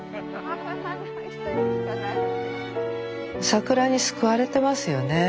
桜に救われてますよね。